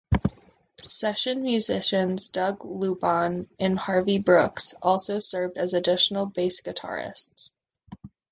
Session musicians Doug Lubahn and Harvey Brooks also served as additional bass guitarists.